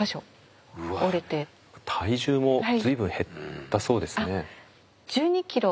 体重も随分減ったそうですね。